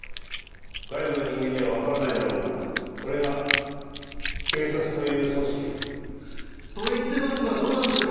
外部の人間にはわからないだろうがそれが警察という組織だ。と言ってますがどうなんですか？